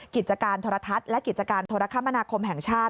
กิจการโทรทัศน์และกิจการโทรคมนาคมแห่งชาติ